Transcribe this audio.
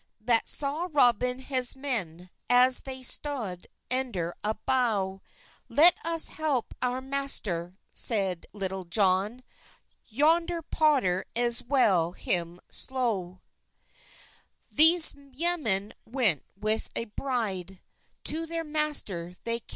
That saw Roben hes men, As they stode ender a bow; "Let us helpe owr master," seyed Lytell John, "Yonder potter els well hem sclo." Thes yemen went with a breyde, To ther master they cam.